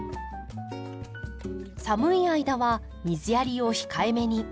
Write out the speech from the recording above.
寒い間は水やりを控えめに。